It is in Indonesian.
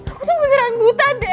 aku tuh beneran buta dad